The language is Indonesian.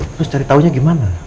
terus cari taunya gimana